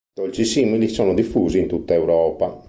Dolci simili sono diffusi in tutta Europa.